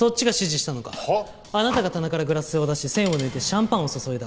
あなたが棚からグラスを出し栓を抜いてシャンパンを注いだ。